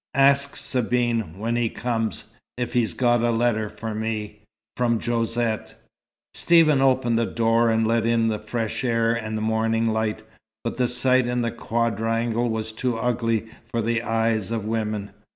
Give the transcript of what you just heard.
"Ask Sabine, when he comes if he's got a letter for me from Josette." Stephen opened the door, and let in the fresh air and morning light, but the sight in the quadrangle was too ugly for the eyes of women.